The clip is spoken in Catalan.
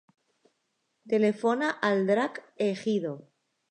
Telefona al Drac Egido.